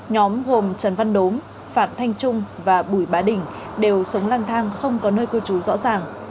nhóm gồm trần văn đốm phạm thanh trung và bùi bá đỉnh đều sống lang thang không có nơi cư trú rõ ràng